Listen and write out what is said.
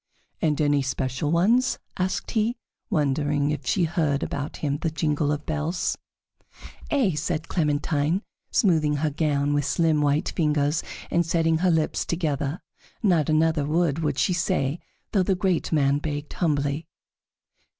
"And any special ones?" asked he, wondering if she heard about him the jingle of bells. "Ay," said Clementine, smoothing her gown with slim white fingers and setting her lips together. Not another word would she say, though the great man begged humbly.